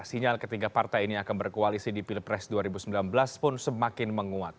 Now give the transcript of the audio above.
sinyal ketiga partai ini akan berkoalisi di pilpres dua ribu sembilan belas pun semakin menguat